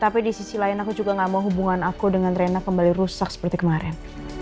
tapi di sisi lain aku juga gak mau hubungan aku dengan rena kembali rusak seperti kemarin